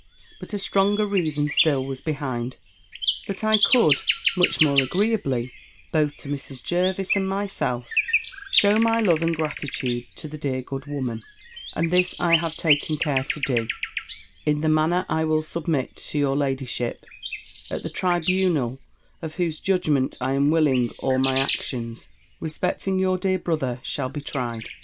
But a stronger reason still was behind; that I could, much more agreeably, both to Mrs. Jervis and myself, shew my love and gratitude to the dear good woman: and this I have taken care to do, in the manner I will submit to your ladyship; at the tribunal of whose judgment I am willing all my actions, respecting your dear brother, shall be tried.